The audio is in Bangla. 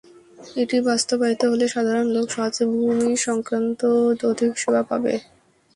এটি বাস্তবায়িত হলে সাধারণ লোক সহজে ভূমি সংক্রান্ত অধিক সেবা পাবে।